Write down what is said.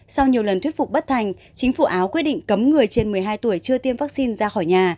sau nhiều lần thuyết phục bất thành chính phủ áo quyết định cấm người trên một mươi hai tuổi chưa tiêm vaccine ra khỏi nhà